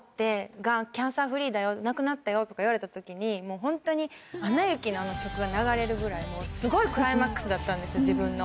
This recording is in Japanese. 「なくなったよ」とか言われた時にもうホントに『アナ雪』のあの曲が流れるぐらいもうすごいクライマックスだったんです自分の。